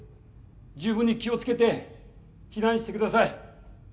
十分に気を付けて避難してください。